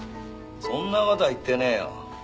そんな事は言ってねえよ。